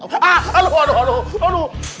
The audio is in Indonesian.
aduh aduh aduh aduh